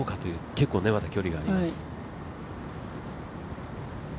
結構まだ距離があります。